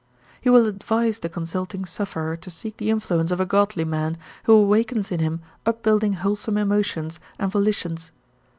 He will advise the consulting sufferer to seek the influence of a godly man who awakens in him upbuilding wholesome emotions and volitions.